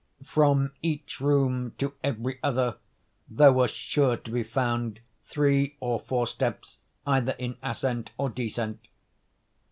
From each room to every other there were sure to be found three or four steps either in ascent or descent.